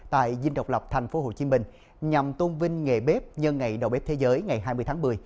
tại dinh độc lập tp hcm nhằm tôn vinh nghề bếp nhân ngày đầu bếp thế giới ngày hai mươi tháng một mươi